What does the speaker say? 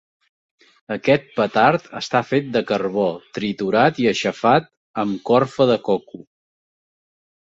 Aquest petard està fet de carbó triturat i aixafat amb corfa de coco.